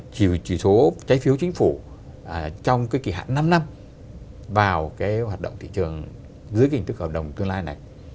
chỉ số trái phiếu chính phủ trong cái kỳ hạn năm năm vào cái hoạt động thị trường dưới hình thức hợp đồng tương lai này